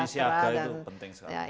siaga itu penting sekali